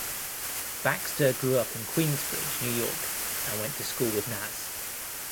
Baxter grew up in Queensbridge, New York, and went to school with Nas.